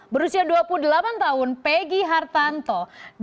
berusia dua puluh delapan tahun peggy hartanto